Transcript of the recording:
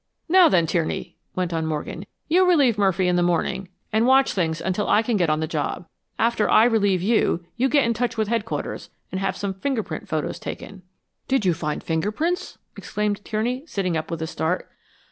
"Now then, Tierney," went on Morgan, "you relieve Murphy in the morning, and watch things until I can get on the job. After I relieve you, you get in touch with Headquarters and have some fingerprint photos taken." "Did you find finger prints?" exclaimed Tierney, sitting up with a start.